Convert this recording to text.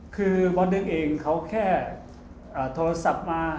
คือวันหนึ่งเองเขาแค่โทรศัพท์มา